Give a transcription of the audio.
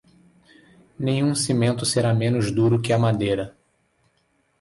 Nenhum cimento será menos duro que a madeira.